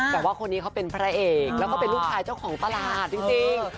แต่ว่าคนนี้เขาเป็นพระเอกแล้วก็เป็นลูกชายเจ้าของตลาดจริง